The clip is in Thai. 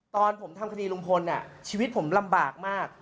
ตอนผมทำคดีลุงพลชีวิตผมลำบากมาก